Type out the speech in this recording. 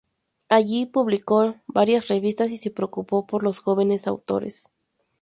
Allí publicó varias revistas y se preocupó por los jóvenes autores.